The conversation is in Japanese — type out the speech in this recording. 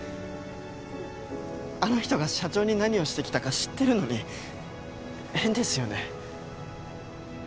あの人が社長に何をしてきたか知ってるのに変ですよね？